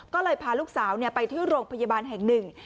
ก็เลยพาลูกสาวไปที่โรงพยาบาลแห่งหนึ่ง